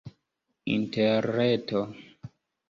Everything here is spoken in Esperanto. interreto